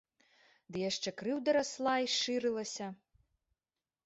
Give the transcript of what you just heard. Ды яшчэ крыўда расла і шырылася.